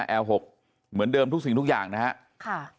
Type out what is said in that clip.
แอปครบ๖เหมือนเดิมทุกสิ่งทุกอย่างนั้นส์